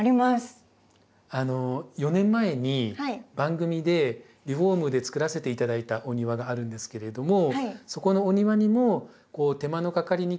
４年前に番組でリフォームでつくらせて頂いたお庭があるんですけれどもそこのお庭にも手間のかかりにくい植物というのを植えているので。